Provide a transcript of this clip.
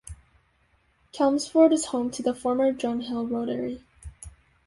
Chelmsford is home to the former Drum Hill Rotary.